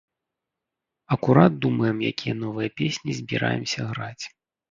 Акурат думаем, якія новыя песні збіраемся граць.